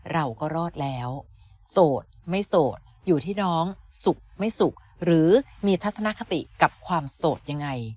เราก็รอดแล้วโสดไม่โสดอยู่ที่น้องสุขไม่สุขหรือมีทัศนคติกับความโสดยังไง